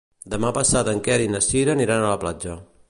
Demà passat en Quer i na Cira aniran a la platja.